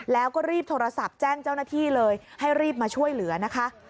แล้วก็รีบโทรศัพท์แจ้งเจ้าหน้าที่เลยให้รีบมาช่วยเหลือนะคะ